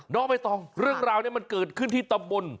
น้องใบตองเรื่องราวนี้มันเกิดขึ้นที่ตำบล